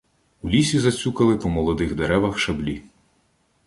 У лісі зацюкали по молодих деревах шаблі.